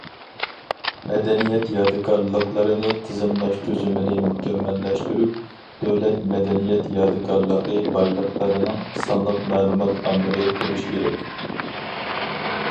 مەدەنىيەت يادىكارلىقلىرىنى تىزىملاش تۈزۈمىنى مۇكەممەللەشتۈرۈپ، دۆلەت مەدەنىيەت يادىكارلىقى بايلىقلىرىنىڭ سانلىق مەلۇمات ئامبىرى قۇرۇش كېرەك.